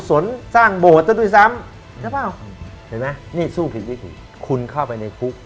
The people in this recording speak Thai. สนสร้างโบสถ์ซะด้วยซ้ำใช่เปล่าเห็นไหมนี่สู้ผิดไม่ถูกคุณเข้าไปในคุก